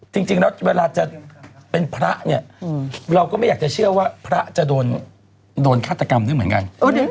จริงแล้วเวลาจะเป็นพระเนี่ยเราก็ไม่อยากจะเชื่อว่าพระจะโดนฆาตกรรมด้วยเหมือนกัน